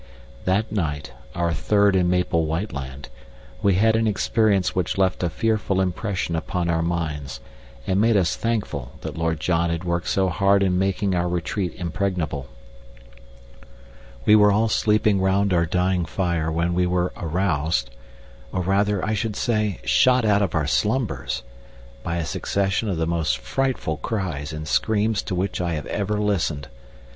That night (our third in Maple White Land) we had an experience which left a fearful impression upon our minds, and made us thankful that Lord John had worked so hard in making our retreat impregnable. We were all sleeping round our dying fire when we were aroused or, rather, I should say, shot out of our slumbers by a succession of the most frightful cries and screams to which I have ever listened.